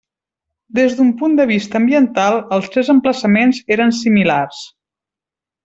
Des d'un punt de vista ambiental, els tres emplaçaments eren similars.